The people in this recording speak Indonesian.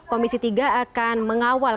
komisi tiga akan mengawal